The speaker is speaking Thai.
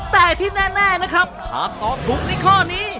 แต่ที่แน่นะครับหากตอบถูกในข้อนี้